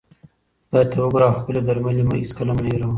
خدای ته وګوره او خپلې درملې هیڅکله مه هېروه.